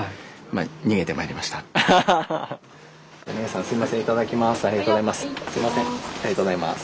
ありがとうございます。